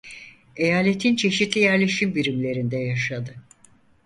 Eyaletin çeşitli yerleşim birimlerinde yaşadı.